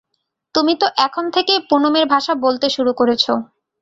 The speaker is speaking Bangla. তুমি তো এখন থেকেই পুনমের ভাষা বলতে শুরু করেছ।